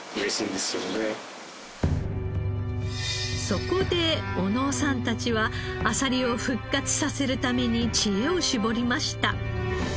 そこで小野尾さんたちはあさりを復活させるために知恵を絞りました。